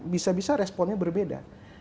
bisa bisa responnya berbeda